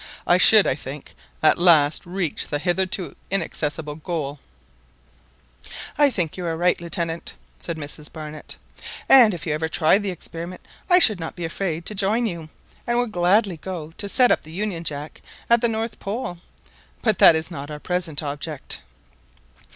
I should, I think, at last reach the hitherto inaccessible goal !" "I think you are right, Lieutenant," said Mrs Barnett; "and if ever you try the experiment, I should not be afraid to join you, and would gladly go to set up the Union Jack at the North Pole. But that is not our present object."